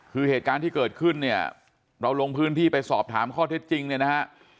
คือเหตุการณ์ที่เกิดขึ้นเนี่ยเราลงพื้นที่ไปสอบถามข้อเท็จจริงเนี่ยนะฮะ